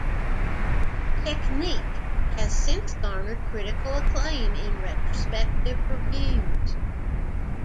"Technique" has since garnered critical acclaim in retrospective reviews.